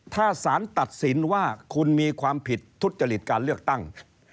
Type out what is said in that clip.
ถ้าสารตัดสินว่าคุณมีความผิดทุจริตการเลือกตั้ง